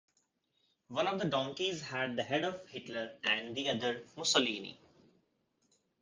One of the donkeys had the head of Hitler, and the other, Mussolini.